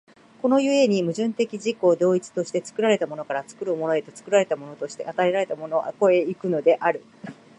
この故に矛盾的自己同一として、作られたものから作るものへと、作られたものとして与えられたものを越え行くのである。